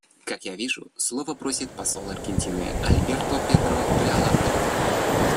Как я вижу, слова просит посол Аргентины Альберто Педро д'Алотто.